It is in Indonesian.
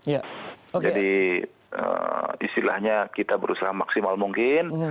jadi istilahnya kita berusaha maksimal mungkin